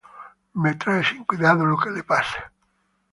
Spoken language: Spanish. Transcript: Me trae sin cuidado lo que le pase